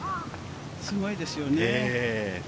すごいですよね。